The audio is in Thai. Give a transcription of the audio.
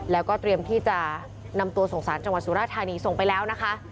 แล้วก็เตรียมที่จะนำตัวส่งสารจังหวัดสุราธานีส่งไปแล้วนะคะ